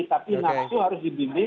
tapi nafsu harus dibimbing